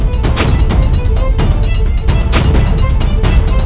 aku ingin menangkapmu